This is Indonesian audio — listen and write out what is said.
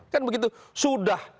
kan begitu sudah